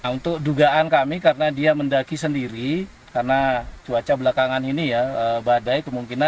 untuk dugaan kami karena dia mendaki sendiri karena cuaca belakangan ini ya badai kemungkinan